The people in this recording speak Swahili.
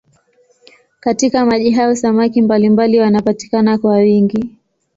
Katika maji hayo samaki mbalimbali wanapatikana kwa wingi.